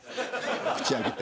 口開けて。